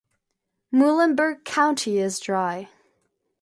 Muhlenberg County is dry.